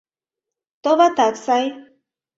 Товатат, сай.